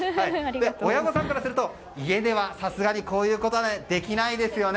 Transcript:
親御さんからすると家ではさすがにこういうことはできないですよね。